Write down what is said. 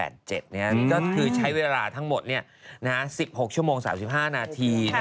ก็คือใช้เวลาทั้งหมด๑๖ชั่วโมง๓๕นาที